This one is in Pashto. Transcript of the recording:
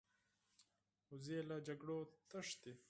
وزې له جګړو تښتي